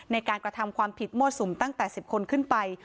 ในการกระทำความผิดมั่วสุมตั้งแต่๑๐คนขึ้นไป